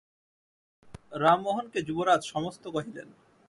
রামমোহনকে যুবরাজ সমস্ত কহিলেন।